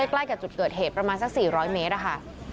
ใกล้กับจุดเกิดเหตุประมาณสัก๔๐๐เมตรค่ะ